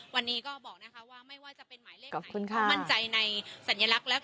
วันนี้ก็บอกนะคะว่าไม่ว่าจะเป็นไม่มั่นใจในสัญลักษณ์และโลโก้